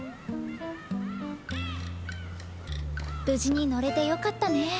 無事に乗れてよかったね。